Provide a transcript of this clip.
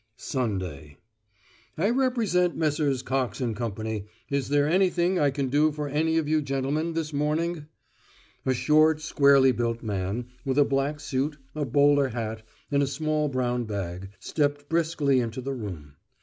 SUNDAY "I represent Messrs. Cox and Co. Is there anything I can do for any of you gentlemen this morning?" A short, squarely built man, with a black suit, a bowler hat, and a small brown bag, stepped briskly into the room.